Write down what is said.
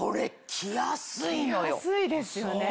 着やすいですよね。